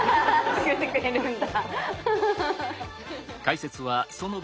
作ってくれるんだ。